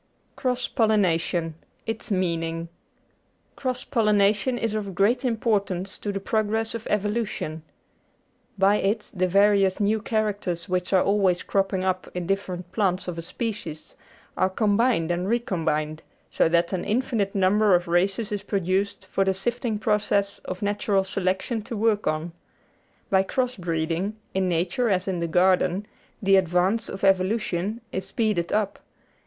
Cross Pollination : its Meaning Cross pollination is of great importance to the progress of evolution. By it the various new characters which are always cropping up in different plants of a species are combined and recombined, so that an infinite number of races is produced for the sifting process of natural selection to work on. By cross breeding, in nature as in the garden, the advance of evolution is speeded up.